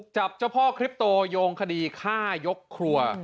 จับเจ้าพ่อคลิปโตโยงคดีฆ่ายกครัว